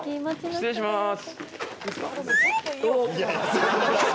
失礼します。